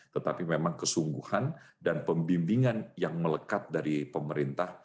tetapi memang kesungguhan dan pembimbingan yang melekat dari pemerintah